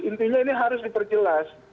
intinya ini harus diperjelas